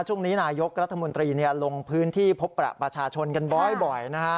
ช่วงนี้นายกรัฐมนตรีลงพื้นที่พบประประชาชนกันบ่อยนะฮะ